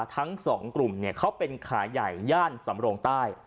ทั้งสองกลุ่มเขาเป็นขาใหญ่ย่านสำโรงใต้